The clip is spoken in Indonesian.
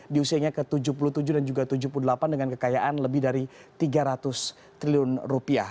di usianya ke tujuh puluh tujuh dan juga tujuh puluh delapan dengan kekayaan lebih dari tiga ratus triliun rupiah